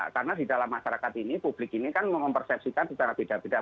karena di dalam masyarakat ini publik ini kan mempersepsikan secara beda beda